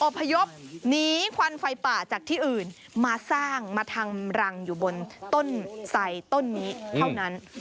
พยพหนีควันไฟป่าจากที่อื่นมาสร้างมาทำรังอยู่บนต้นไสต้นนี้เท่านั้น